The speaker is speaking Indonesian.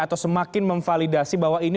atau semakin memvalidasi bahwa ini